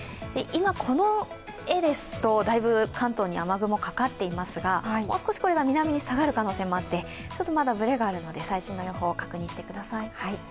今、この絵ですとだいぶ関東に雨雲がかかっていますがもう少しこれが南に下がる可能性があって、ちょっとまだブレがあるので最新の予報を確認してください。